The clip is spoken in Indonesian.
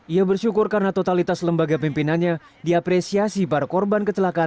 ia bersyukur karena totalitas lembaga pimpinannya diapresiasi para korban kecelakaan